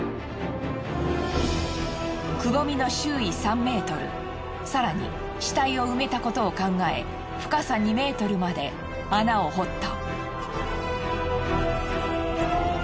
窪みの周囲３ｍ更に死体を埋めたことを考え深さ２ｍまで穴を掘った。